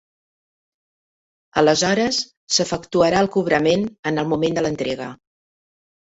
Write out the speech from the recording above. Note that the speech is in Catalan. Aleshores s'efectuarà el cobrament en el moment de l'entrega.